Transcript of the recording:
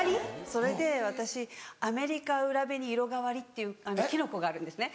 それで私アメリカウラベニイロガワリっていうキノコがあるんですね。